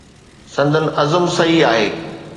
سندن عزم صحيح آهي.